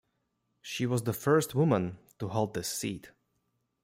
She was the first woman to hold this seat.